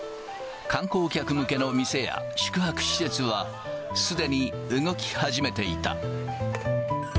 観光客向けの店や、宿泊施設はすでに動き始めていた。